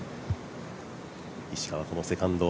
石川、このセカンド。